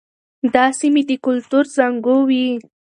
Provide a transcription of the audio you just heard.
دا سیمې د کلتور زانګو وې.